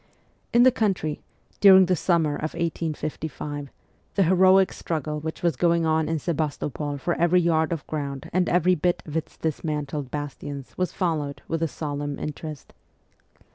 In the country, during the summer of 1855, the heroic struggle which was going on in Sebastopol for every yard of ground and every bit of its dismantled bastions was followed with a solemn interest.